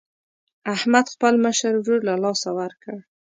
احمد خپل مشر ورور له لاسه ورکړ.